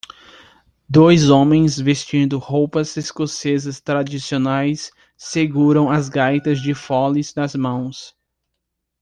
Dois homens vestindo roupas escocesas tradicionais seguram as gaitas de foles nas mãos.